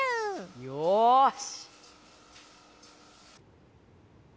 よし！